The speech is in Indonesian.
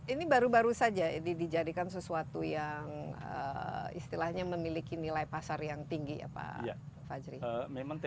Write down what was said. ini baru baru saja dijadikan sesuatu yang istilahnya memiliki nilai pasar yang tinggi ya pak fajri